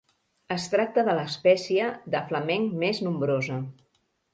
Es tracta de l'espècie de flamenc més nombrosa.